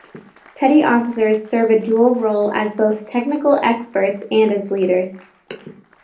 Petty officers serve a dual role as both technical experts and as leaders.